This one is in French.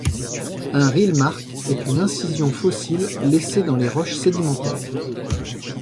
Un rill mark est une incision fossile laissée dans les roches sédimentaires.